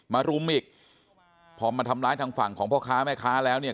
รุมอีกพอมาทำร้ายทางฝั่งของพ่อค้าแม่ค้าแล้วเนี่ย